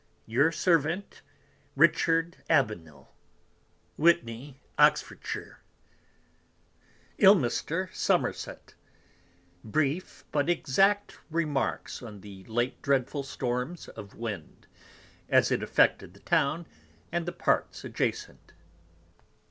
Your Servant, Wittney, Oxfordsh. Richard Abenell. ILMISTER, Somerset _Brief but exact Remarks on the late Dreadful Storms of Wind, as it affected the Town, and the Parts adjacent.